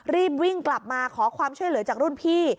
รีบวิ่งกลับมาขอความช่วยเหลือจากรุ่นพี่